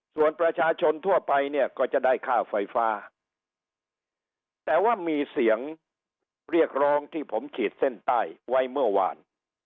ส่วนประชาชนทั่วไปเนี่ยก็จะได้ค่าไฟฟ้าแต่ว่ามีเสียงเรียกร้องที่ผมขีดเส้นใต้ไว้เมื่อวาน